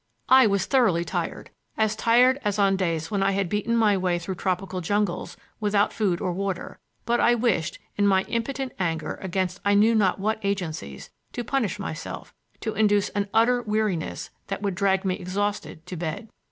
I was thoroughly tired, as tired as on days when I had beaten my way through tropical jungles without food or water; but I wished, in my impotent anger against I knew not what agencies, to punish myself, to induce an utter weariness that would drag me exhausted to bed.